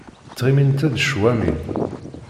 Ttɣimint-d cwami.